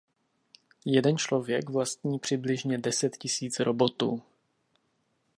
Jeden člověk vlastní přibližně deset tisíc robotů.